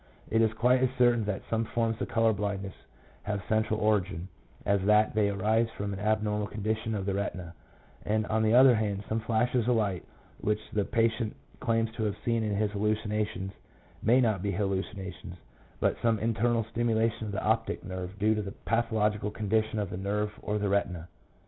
It is quite as certain that some forms of colour blindness have central origin, as that they arise from an abnormal condition of the retina; and, on the other hand, some flashes of light which the patient claims to have seen in his hallucinations may not be hallucinations, but some internal stimulation of the optic nerve due to the pathological condition of the nerve or the retina.